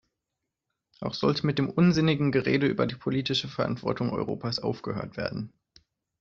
Auch sollte mit dem unsinnigen Gerede über die politische Verantwortung Europas aufgehört werden.